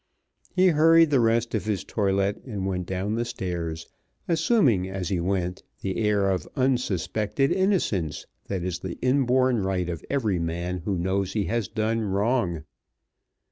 He hurried the rest of his toilet and went down the stairs, assuming as he went the air of unsuspected innocence that is the inborn right of every man who knows he has done wrong.